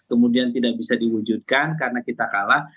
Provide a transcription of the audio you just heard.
kemudian tidak bisa diwujudkan karena kita kalah